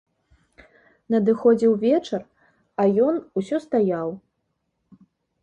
Надыходзіў вечар, а ён усё стаяў.